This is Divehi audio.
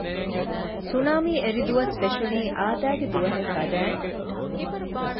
ސުނާމީ އެރި ދުވަސް ފެށުނީ އާދައިގެ ދުވަހެއް ފަދައިން